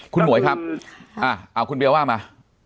คุณหมวยครับเอาคุณเบียว่ามา